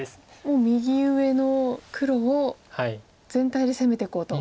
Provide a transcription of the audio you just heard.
もう右上の黒を全体で攻めていこうと。